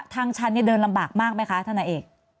ทางชันเนี่ยเดินลำบากมากไหมคะท่านหน้าเอก